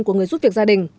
của người giúp việc gia đình